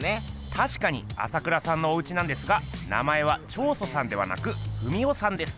たしかに朝倉さんのおうちなんですが名前は彫塑さんではなく文夫さんです。